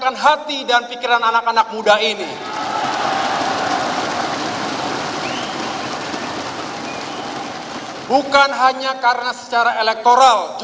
kita harus menang